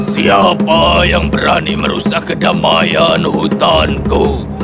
siapa yang berani merusak kedamaian hutanku